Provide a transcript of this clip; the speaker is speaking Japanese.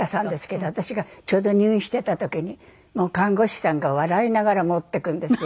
私がちょうど入院していた時に看護師さんが笑いながら持ってくるんですよ。